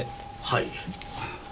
はい。